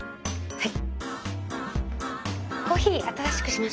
はい。